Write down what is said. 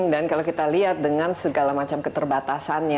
dan kalau kita lihat dengan segala macam keterbatasan